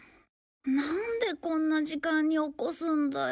なんでこんな時間に起こすんだよ。